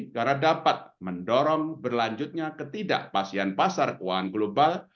karena dapat mendorong berlanjutnya ketidakpastian pasar keuangan global